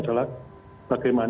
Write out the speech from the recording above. yang perlu dicermati oleh panglima tni